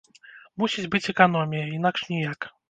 Мусіць быць эканомія, інакш ніяк.